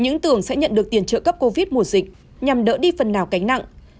những tường sẽ nhận được tiền trợ cấp covid mùa dịch nhằm đỡ đi phần nào cánh nặng